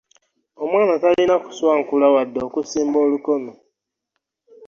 Omwana talina ku swankula wadde okusimba olukono.